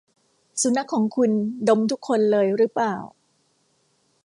สุนัขของคุณดมทุกคนเลยรึเปล่า ?